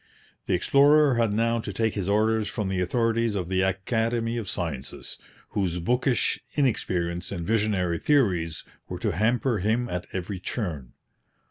The explorer had now to take his orders from the authorities of the Academy of Sciences, whose bookish inexperience and visionary theories were to hamper him at every turn.